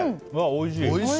おいしい！